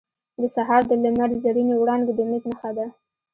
• د سهار د لمر زرینې وړانګې د امید نښه ده.